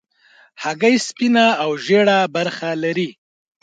هګۍ سپینه او ژېړه برخه لري.